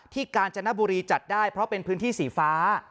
กาญจนบุรีจัดได้เพราะเป็นพื้นที่สีฟ้า